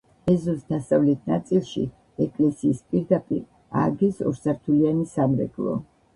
ეზოს დასავლეთ ნაწილში, ეკლესიის პირდაპირ ააგეს ორსართულიანი სამრეკლო.